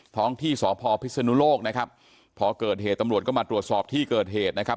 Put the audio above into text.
ท้องที่สพพิศนุโลกนะครับพอเกิดเหตุตำรวจก็มาตรวจสอบที่เกิดเหตุนะครับ